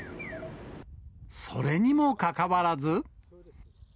それにもかかわらず。